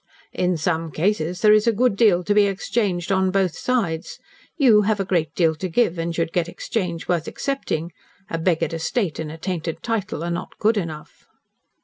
"In some cases there is a good deal to be exchanged on both sides. You have a great deal to give, and should get exchange worth accepting. A beggared estate and a tainted title are not good enough."